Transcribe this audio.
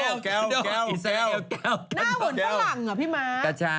หน้าเหมือนฝรั่งเหรอพี่ม้า